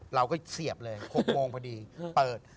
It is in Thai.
เราก็เสียบเลยหกโมงพอดีเปิด